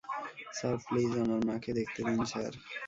Sir, please আমার মাকে দেখতে দিন স্যার।